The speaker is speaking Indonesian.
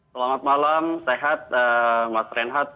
selamat malam sehat mas renhat